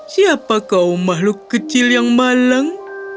siapa kaum makhluk kecil yang malang